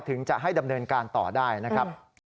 ถึงจะให้ดำเนินการต่อได้นะครับ